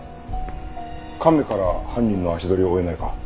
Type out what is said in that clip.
亀から犯人の足取りを追えないか？